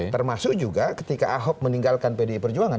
termasuk juga ketika ahok meninggalkan pdi perjuangan